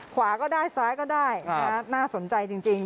ขวาก็ได้ซ้ายก็ได้น่าสนใจจริง